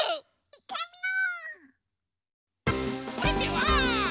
いってみよう！